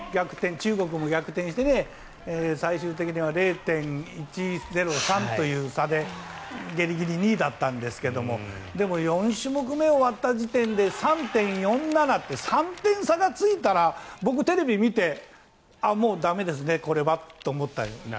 中国を逆転して最終的には０．１０３という差でギリギリ２位だったんですけれどもでも、４種目終わった時点で３．４７って３点差がついたら僕テレビ見てもう駄目ですね、これはと思ったんです。